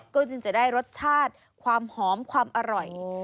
ก็จึงจะได้รสชาติความหอมความอร่อย